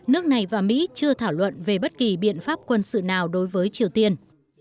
nước này và mỹ chưa thảo luận về bất kỳ biện pháp quân sự nào đối với triều tiên